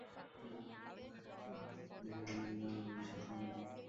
সেই ছাত্র জীবনের মতো তাকে আজও হাত দেখে বলে দিতে হবে ভবিষ্যৎকেমন।